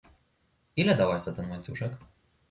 Ile dałaś za ten łańcuszek?